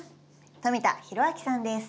富田裕明さんです。